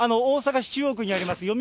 大阪市中央区にあります